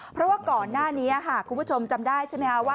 เพราะว่าก่อนหน้านี้คุณผู้ชมจำได้ใช่ไหมคะว่า